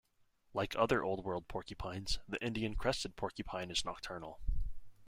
Like other Old World porcupines, the Indian crested porcupine is nocturnal.